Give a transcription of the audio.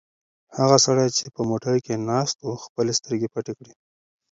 هغه سړی چې په موټر کې ناست و خپلې سترګې پټې کړې.